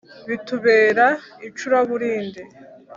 bitubera icuraburindi